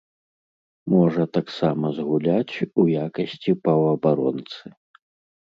Можа таксама згуляць у якасці паўабаронцы.